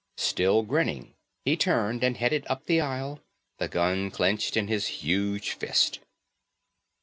Still grinning he turned and headed up the aisle, the gun clenched in his huge fist.